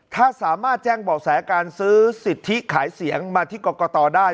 ถ้าสามารถแจ้งเบาะแสการซื้อสิทธิขายเสียงมาที่กรกตได้